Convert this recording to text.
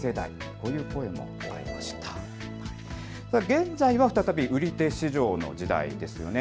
現在は再び売手市場の時代ですよね。